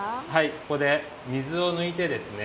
ここで水をぬいてですね